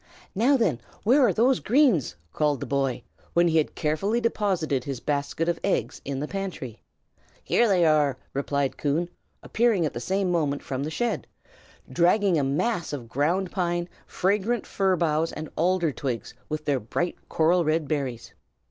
"Now, then, where are those greens?" called the boy, when he had carefully deposited his basket of eggs in the pantry. "Here they are!" replied Coon, appearing at the same moment from the shed, dragging a mass of ground pine, fragrant fir boughs, and alder twigs with their bright coral red berries.